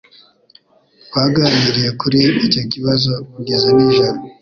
Twaganiriye kuri icyo kibazo kugeza nijoro.